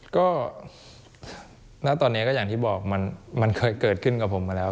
ก็ณตอนนี้ก็อย่างที่บอกมันเคยเกิดขึ้นกับผมมาแล้ว